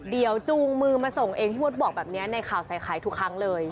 เดี๋ยวจูงมือมาส่งเองพี่มดบอกแบบนี้ในข่าวใส่ไข่ทุกครั้งเลย